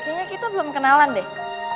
sebenarnya kita belum kenalan deh